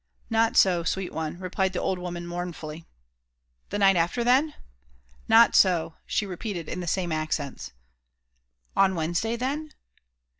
" Not so, sweet one," replied the old woman mournfully. The night after, then ?"" Not so,'' she repeated, in the same accents. '* On Wednesday, then